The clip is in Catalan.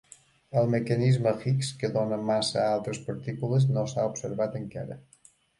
El mecanisme Higgs que dona massa a altres partícules no s'ha observat encara.